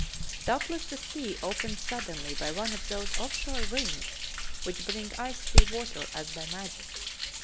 Doubtless the sea opened suddenly by one of those offshore winds which bring ice free water as by magic.